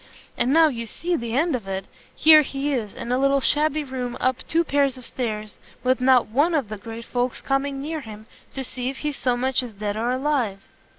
and now you see the end of it! here he is, in a little shabby room up two pairs of stairs, with not one of the great folks coming near him, to see if he's so much as dead or alive."